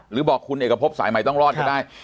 หรือบอกคุณเอกพบสายใหม่ต้องรอดก็ได้